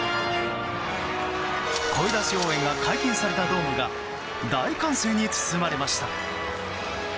声出し応援が解禁されたドームが大歓声に包まれました。